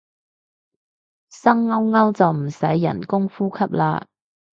生勾勾就唔使人工呼吸啦